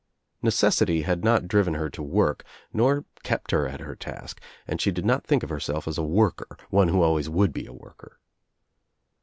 Necessity had not driven her to work nor kept her at her task and she did not think of herself as a worker, one who would always be a worker.